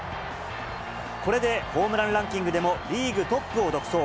これで、ホームランランキングでもリーグトップを独走。